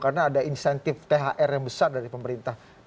karena ada insentif thr yang besar dari pemerintah